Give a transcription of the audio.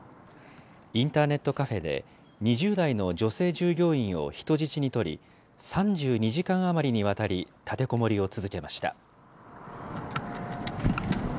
インターネットカフェで、２０代の女性従業員を人質に取り、３２時間余りにわたり、立てこもりを続けました。